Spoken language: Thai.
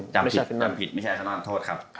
จำผิดไม่ใช่ขนาดโทษครับ